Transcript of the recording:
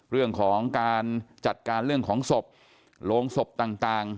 เรื่องของการจัดการเรื่องของศพโรงศพต่าง